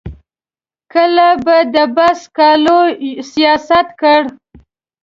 کله به د بحث سکالو سیاست کړ.